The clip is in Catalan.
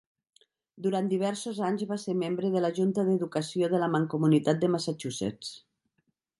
Durant diversos anys va ser membre de la Junta d'Educació de la Mancomunitat de Massachusetts.